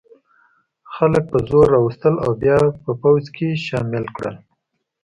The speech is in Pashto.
خلک په زور را وستل او بیا یې په پوځ کې شامل کړل.